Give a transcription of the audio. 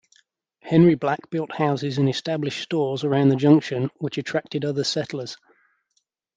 Henry Black built houses and established stores around the junction, which attracted other settlers.